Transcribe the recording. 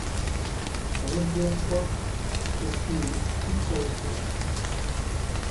খবর দেয়ার পর কেসলি কী করেছিলেন?